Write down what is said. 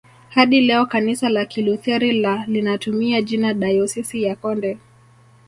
Hadi leo kanisa la Kilutheri la linatumia jina dayosisi ya Konde